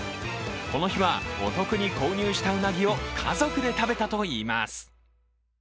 この日はお得に購入したうなぎを家族で食べたといいます。